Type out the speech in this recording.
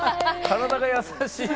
体が優しい。